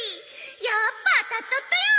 やっぱ当たっとっとよ！